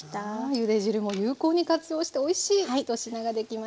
ゆで汁も有効に活用しておいしい１品ができました。